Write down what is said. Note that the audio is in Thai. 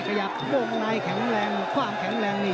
ขยับวงในแข็งแรงความแข็งแรงนี่